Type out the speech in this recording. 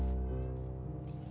eigoshi shirako mengasihi h rout